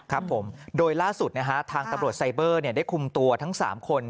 ครับผมโดยล่าสุดนะฮะทางตำรวจไซเบอร์ได้คุมตัวทั้ง๓คน